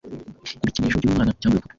Ibikinisho byumwana cyangwa ibipupe